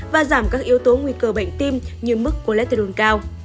và giảm các yếu tố nguy cơ bệnh tim như mức choletteol cao